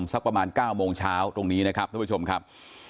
สักประมาณ๙โมงเช้าตรงนี้นะครับท่านผู้ชมครับ